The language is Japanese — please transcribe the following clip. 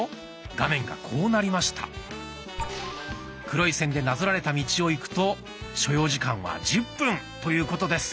黒い線でなぞられた道を行くと所要時間は１０分ということです。